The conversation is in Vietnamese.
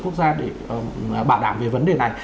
quốc gia để bảo đảm về vấn đề này